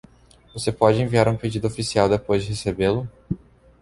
Você pode enviar um pedido oficial depois de recebê-lo?